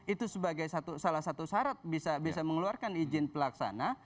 itu sebagai salah satu syarat bisa mengeluarkan izin pelaksana